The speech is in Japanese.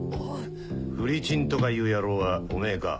フリチンとかいう野郎はおめぇか？